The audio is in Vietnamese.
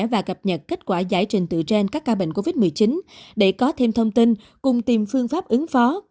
và cập nhật kết quả giải trình tự trên các ca bệnh covid một mươi chín để có thêm thông tin cùng tìm phương pháp ứng phó